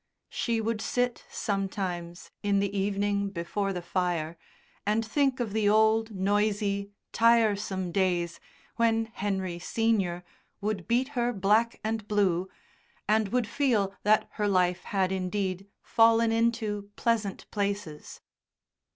She would sit, sometimes, in the evening before the fire and think of the old noisy, tiresome days when Henry, Senior, would beat her black and blue, and would feel that her life had indeed fallen into pleasant places.